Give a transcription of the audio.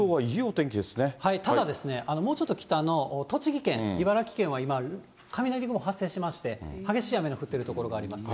ただ、もうちょっと北の栃木県、茨城県は今、雷雲発生しまして、激しい雨の降っている所があります。